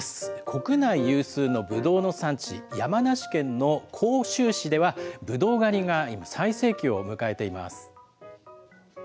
国内有数のぶどうの産地、山梨県の甲州市では、ぶどう狩りが今、最盛期を迎えています。